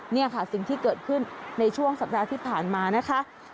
นี่ค่ะสิ่งที่เกิดขึ้นในช่วงสัปดาห์ที่ผ่านมานะคะ